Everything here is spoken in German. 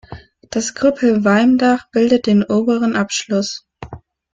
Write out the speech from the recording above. Das Krüppelwalmdach bildet den oberen Abschluss.